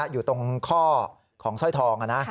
อยู่ตรงข้อของสร้อยทอง